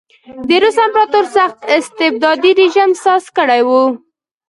د روس امپراتور سخت استبدادي رژیم ساز کړی و.